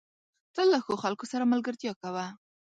تل له ښو خلکو سره ملګرتيا کوه.